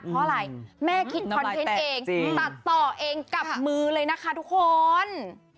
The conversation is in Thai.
เพราะอะไรแม่คิดคอนเทนต์เองตัดต่อเองกับมือเลยนะคะทุกคน